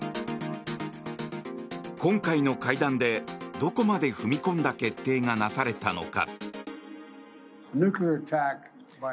今回の会談でどこまで踏み込んだ決定がなされたのか？